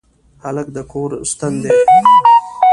هلک د کور ستن دی.